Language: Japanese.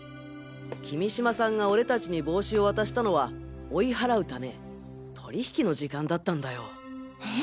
君島さんが俺達に帽子を渡したのは追い払うため取引の時間だったんだよ。え？